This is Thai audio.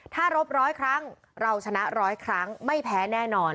ถ้ารบร้อยครั้งเราชนะร้อยครั้งไม่แพ้แน่นอน